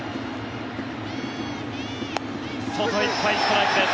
外いっぱい、ストライクです。